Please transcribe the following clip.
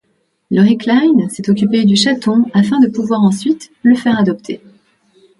Lori Klein s'est occupée du chaton afin de pouvoir ensuite le faire adopter.